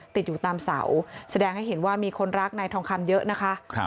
ติดอยู่ตามเสาแสดงให้เห็นว่ามีคนรักนายทองคำเยอะนะคะ